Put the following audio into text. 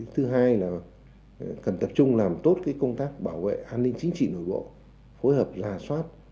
thứ hai là cần tập trung làm tốt công tác bảo vệ an ninh chính trị nội bộ phối hợp là soát